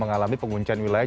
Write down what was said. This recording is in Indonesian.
mengalami penguncian wilayah